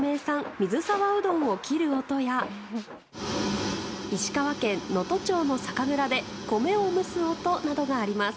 水沢うどんを切る音や石川県能登町の酒蔵で米を蒸す音などがあります。